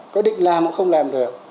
có định làm cũng không làm được